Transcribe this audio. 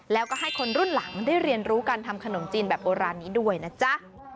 แล้วก็ให้คนรุ่นหลังได้เรียนรู้การทำขนมจีนแบบโบราณนี้ด้วยนะจ๊ะ